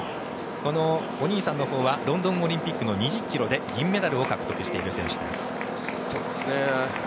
このお兄さんのほうはロンドンオリンピックの２０ｋｍで銀メダルを獲得している選手です。